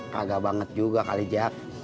kagak banget juga kali jack